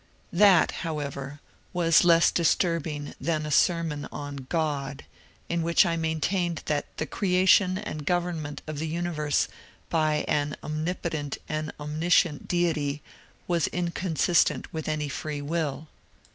That, however, was less disturbing than a sermon on ^^ God," in which I maintained that the creation and government of the universe by an omnipotent and omniscient deity was incon sistent with any free will.